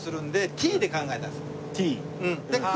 「Ｔ」。